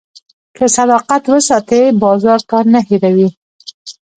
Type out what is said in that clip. که صداقت وساتې، بازار تا نه هېروي.